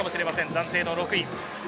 暫定の６位。